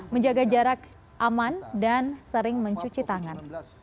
menjaga jarak aman dan sering mencuci tangan